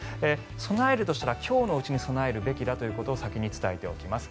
備えるとしたら今日のうちに備えるべきだということを先に伝えておきます。